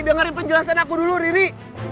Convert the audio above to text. dengerin penjelasan aku dulu ri ri